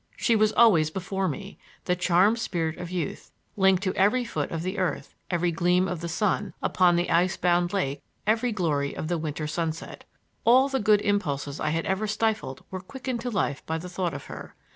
She was always before me,—the charmed spirit of youth, linked to every foot of the earth, every gleam of the sun upon the ice bound lake, every glory of the winter sunset. All the good impulses I had ever stifled were quickened to life by the thought of her.